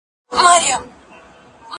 زه به ونې ته اوبه ورکړې وي؟!